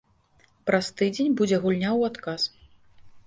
Праз тыдзень будзе гульня ў адказ.